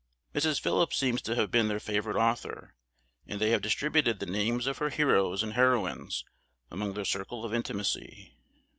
Mrs. Phillips seems to have been their favourite author, and they have distributed the names of her heroes and heroines among their circle of intimacy.